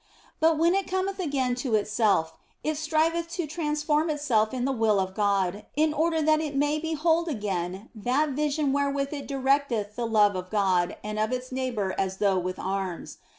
But when it cometh again to itself it striveth to transform itself in the will of God in order that it may behold again that vision wherewith it directeth the love of God and of its neighbour as though with arms.